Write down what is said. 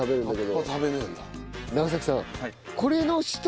長崎さん。